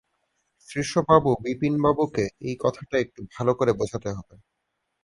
শ্রীশবাবু বিপিনবাবুকে এই কথাটা একটু ভালো করে বোঝাতে হবে।